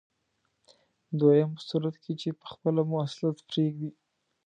دویم په صورت کې چې په خپله مواصلت پرېږدئ.